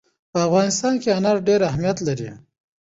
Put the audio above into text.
په افغانستان کې انار ډېر اهمیت لري.